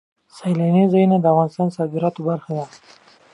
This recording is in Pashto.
سیلانی ځایونه د افغانستان د صادراتو برخه ده.